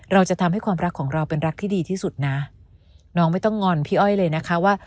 เราจะทำให้ความรักของเราเป็นรักที่ดีที่สุดนะน้องไม่ต้องงอนพี่อ้อยเลยนะคะว่า